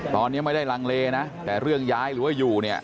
ตอนนี้ไม่ได้ลังเลนะแต่เรื่องย้ายหรือว่าอยู่เนี่ย